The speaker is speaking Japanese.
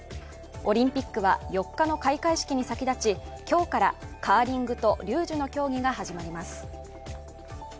オリンピックは４日の開会式に先立ち、今日からカーリングとリュージュの競技が始まります。